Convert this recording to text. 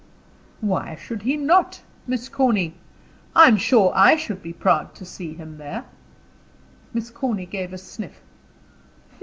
"Why should he not, Miss Corny? I'm sure I should be proud to see him there." Miss Corny gave a sniff.